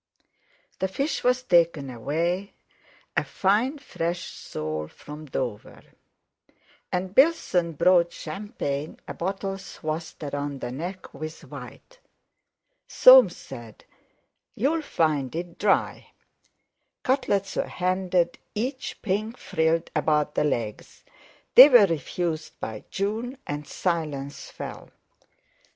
The fish was taken away, a fine fresh sole from Dover. And Bilson brought champagne, a bottle swathed around the neck with white.... Soames said: "You'll find it dry." Cutlets were handed, each pink frilled about the legs. They were refused by June, and silence fell.